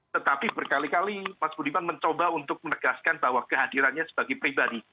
tetapi berkali kali mas budiman mencoba untuk menegaskan bahwa kehadirannya sebagai pribadi